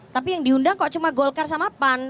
tapi yang diundang kok cuma golkar sama pan